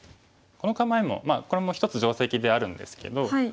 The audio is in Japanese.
この構えもこれも一つ定石であるんですけど。